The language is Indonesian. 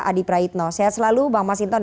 adi praitno sehat selalu bang masinton